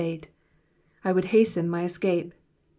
^' I would hasten my escape.'